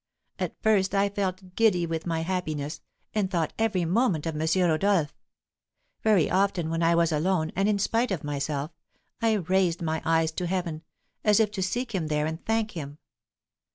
At first I felt giddy with my happiness, and thought every moment of M. Rodolph. Very often when I was alone, and in spite of myself, I raised my eyes to heaven, as if to seek him there and thank him.